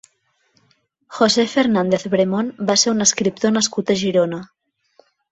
José Fernández Bremón va ser un escriptor nascut a Girona.